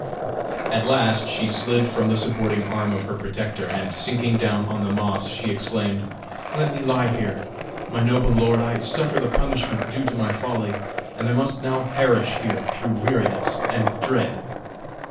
At last she slid from the supporting arm of her protector, and sinking down on the moss, she exclaimed: "Let me lie here, my noble lord; I suffer the punishment due to my folly, and I must now perish here through weariness and dread."